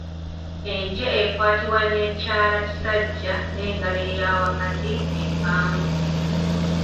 Enje ekwatibwa n'ekyalakisajja n'engalo eya wakati, empanvu.